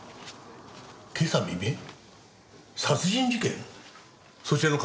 今朝未明殺人事件そちらの管内で。